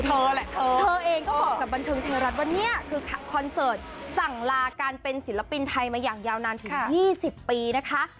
เธอเธอเองก็บอกกับบันเทิงไทยรัฐว่าเนี่ยคือคอนเสิร์ตสั่งลาการเป็นศิลปินไทยมาอย่างยาวนานถึง๒๐ปีนะคะ